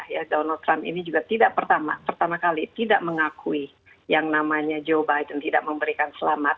ya donald trump ini juga tidak pertama kali tidak mengakui yang namanya joe biden tidak memberikan selamat